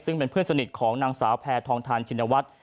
ซึ่งเป็นเพื่อนสนิทของนางสาวแพทองทานชินวัฒน์